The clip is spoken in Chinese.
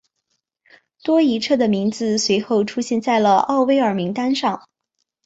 多伊彻的名字随后出现在了奥威尔名单上。